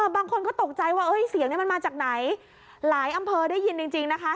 บางคนก็ตกใจว่าเสียงนี้มันมาจากไหนหลายอำเภอได้ยินจริงนะคะ